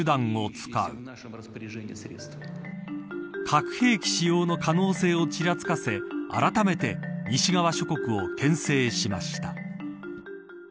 核兵器使用の可能性をちらつかせあらためて西側諸国をけん制しました。